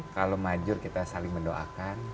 kalau maju kita saling mendoakan